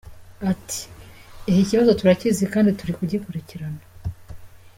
Ati“Iki kibazo turakizi kandi turi kugikurikirana.